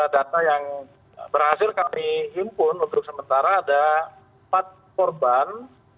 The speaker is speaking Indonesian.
data yang berhasil kami himpun untuk sementara ada empat korban